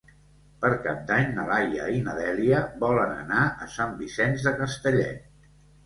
Per Cap d'Any na Laia i na Dèlia volen anar a Sant Vicenç de Castellet.